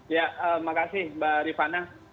ya makasih mbak ripana